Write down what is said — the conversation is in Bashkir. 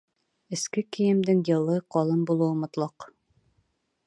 Эске кейемдең йылы, ҡалын булыуы мотлаҡ.